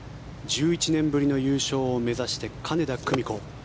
１１年ぶりの優勝を目指して金田久美子